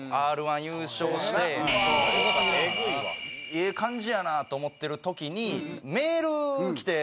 ええ感じやなと思ってる時にメールきて。